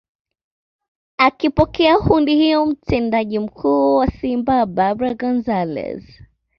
Akipokea hundi hiyo Mtendaji Mkuu wa Simba Barbara Gonzalez